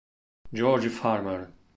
George Farmer